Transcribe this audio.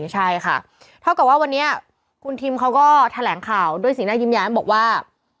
ใช่ค่ะเท่ากับว่าวันนี้คุณทิมเขาก็แถลงข่าวด้วยสีหน้ายิ้มแย้มบอกว่า